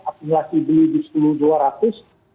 akumulasi beli di sepuluh dua ratus sampai sepuluh tujuh ratus